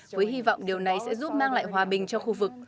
với hy vọng điều này sẽ giúp mang lại hòa bình cho khu vực